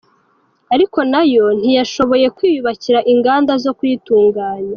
Ariko na yo ntiyashoboye kwiyubakira inganda zo kuyitunganya .